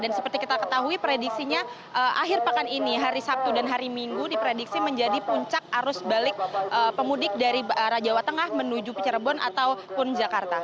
dan seperti kita ketahui prediksinya akhir pakan ini hari sabtu dan hari minggu diprediksi menjadi puncak arus balik pemudik dari arah jawa tengah menuju pijerebon ataupun jakarta